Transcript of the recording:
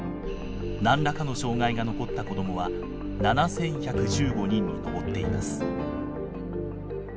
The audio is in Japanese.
何らかの障害が残った子どもは７，１１５人に上っています。